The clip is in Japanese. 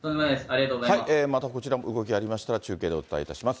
またこちらも動きありましたら、中継でお伝えいたします。